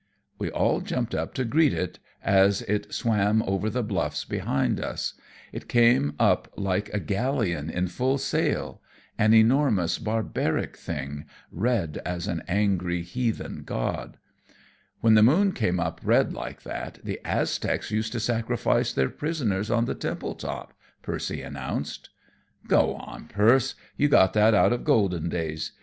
We all jumped up to greet it as it swam over the bluffs behind us. It came up like a galleon in full sail; an enormous, barbaric thing, red as an angry heathen god. "When the moon came up red like that, the Aztecs used to sacrifice their prisoners on the temple top," Percy announced. "Go on, Perce. You got that out of Golden Days.